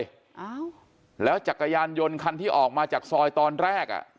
อ้าวแล้วจักรยานยนต์คันที่ออกมาจากซอยตอนแรกอ่ะ